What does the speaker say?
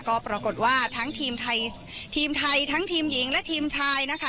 ก็ปรากฏว่าทั้งทีมไทยทีมไทยทั้งทีมหญิงและทีมชายนะคะ